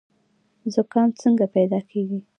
زکام څنګه پیدا کیږي؟